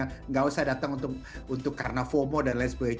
tidak usah datang untuk karena fomo dan lain sebagainya